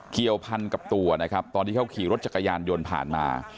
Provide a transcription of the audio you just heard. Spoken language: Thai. เกี่ยวพันกับตัวนะครับตอนที่เขาขี่รถจักรยานยนต์ผ่านมา